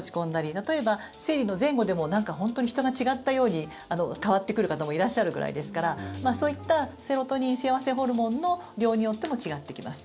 例えば、生理の前後でも本当に人が違ったように変わってくる方もいらっしゃるくらいですからそういったセロトニン幸せホルモンの量によっても違ってきます。